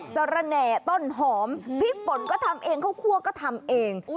สระแหน่ต้นหอมพริกป่นก็ทำเองข้าวคั่วก็ทำเอง